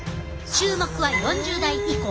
注目は４０代以降。